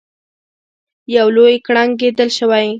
یو لوی کړنګ کیندل شوی.